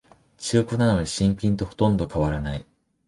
中古なのに新品とほとんど変わらない